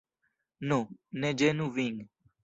Nu, ne ĝenu vin!